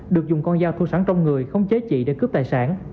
được dùng con dao thu sẵn trong người không chế trị để cướp tài sản